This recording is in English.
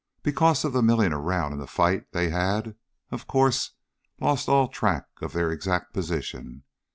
Because of the milling around in the fight they had, of course, lost all track of their exact position.